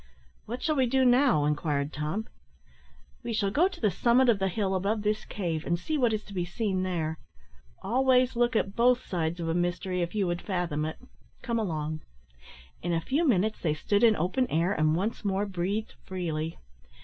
"What shall we do now?" inquired Tom. "We shall go to the summit of the hill above this cave, and see what is to be seen there. Always look at both sides of a mystery if you would fathom it; come along." In a few minutes they stood in open air, and once more breathed freely.